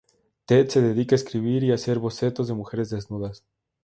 Ted se dedica a escribir y hacer bocetos de mujeres desnudas.